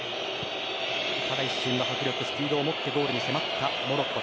ただ、一瞬の迫力スピードに迫ったゴールに迫ったモロッコ。